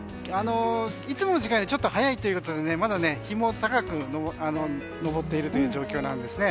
いつもの時間よりちょっと早いということでまだ日も高く昇っているという状況なんですね。